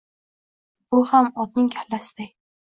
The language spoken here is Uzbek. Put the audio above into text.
Bu ham otning kallasiday